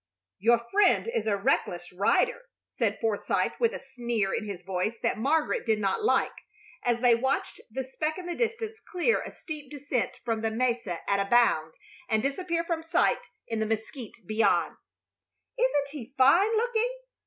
"Your friend is a reckless rider," said Forsythe, with a sneer in his voice that Margaret did not like, as they watched the speck in the distance clear a steep descent from the mesa at a bound and disappear from sight in the mesquite beyond. "Isn't he fine looking?